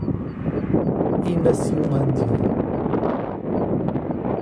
Inaciolândia